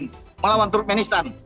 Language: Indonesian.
jangan lupa melawan turkmenistan